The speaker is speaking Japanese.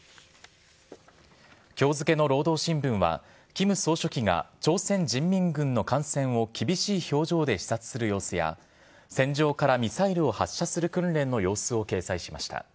きょう付けの労働新聞は、キム総書記が朝鮮人民軍の艦船を厳しい表情で視察する様子や、船上からミサイルを発射する訓練の様子を掲載しました。